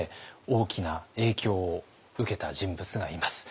大きな影響を受けた人物がいます。